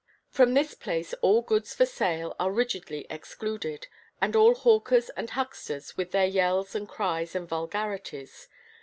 From this place all goods for sale are rigidly excluded, and all hawkers and hucksters with their yells and cries and vulgarities.